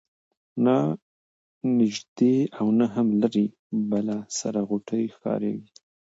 نه نیژدې او نه هم لیري بله سره غوټۍ ښکاریږي